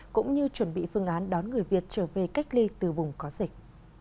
cũng như chuẩn bị phương án đón người việt trở về cách ly từ vùng có dịch